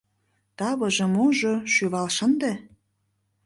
Тавыже-можо — шӱвал шынде.